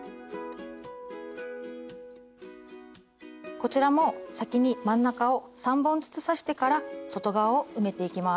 こちらも先に真ん中を３本ずつ刺してから外側を埋めていきます。